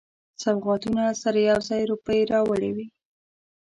سوغاتونو سره یو ځای روپۍ راوړي وې.